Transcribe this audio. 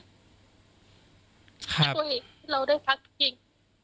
เพื่อให้เราได้พักผิง